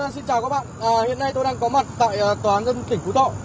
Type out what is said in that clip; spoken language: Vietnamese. xin chào các bạn hiện nay tôi đang có mặt tại tòa án dân tỉnh phú thọ